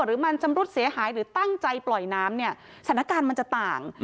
หรือมันชำรุดเสียหายหรือตั้งใจปล่อยน้ำเนี่ยสถานการณ์มันจะต่าง